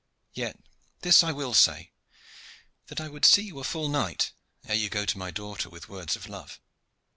Yet this I will say, that I would see you a full knight ere you go to my daughter with words of love.